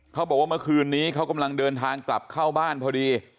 เขาบอกว่าเมื่อคืนนี้เขากำลังเดินทางกลับเข้าบ้านพอดี